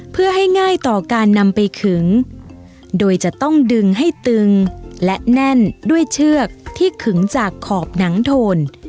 เพื่อให้ง่ายต่อการนำไปขึงโดยจะต้องดึงให้ตึงและแน่นด้วยเชือกที่ขึงจากขอบหนังโทน